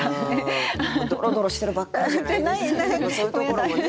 ドロドロしてるばっかりじゃないですけどそういうところもね。